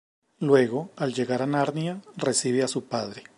Luego, al llegar a Narnia, recibe a su padre.